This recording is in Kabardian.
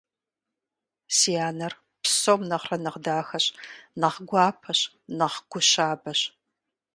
Си анэр псом нэхърэ нэхъ дахэщ, нэхъ гуапэщ, нэхъ гу щабэщ.